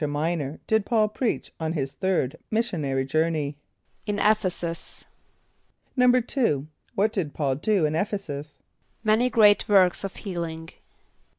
a] M[=i]´nor did P[a:]ul preach on his third missionary journey? =In [)E]ph´e s[)u]s.= =2.= What did P[a:]ul do in [)E]ph´e s[)u]s? =Many great works of healing.